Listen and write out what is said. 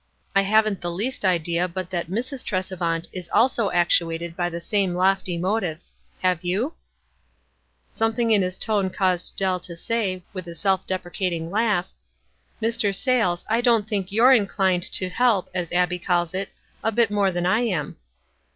"I haven't the least idea but that Mrs. Tresevant is also actuated by the same lofty motives. Have you ?" Something in his tone caused Dell to s*\y, with a half deprecating laugh, — "Mr. Sayles, I don't think you're inclined 'to help,' as Abbie calls it, a bit more than I am."